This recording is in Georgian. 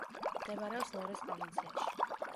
მდებარეობს ლორეს პროვინციაში.